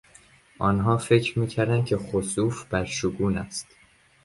آنها فکر میکردند که خسوف بدشگون است.